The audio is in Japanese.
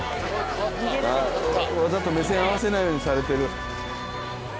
わざと目線合わさないようにされてる。